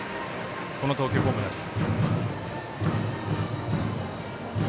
この投球フォームです。